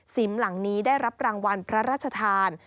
หลังนี้ได้รับรางวัลพระราชทาน